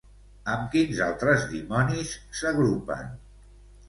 Amb quins altres dimonis s'agrupen?